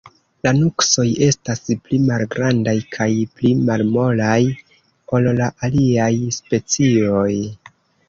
La nuksoj estas pli malgrandaj kaj pli malmolaj, ol la aliaj specioj.